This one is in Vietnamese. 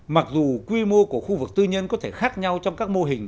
mặc dù quy mô của khu vực tư nhân có thể khác nhau trong các mô hình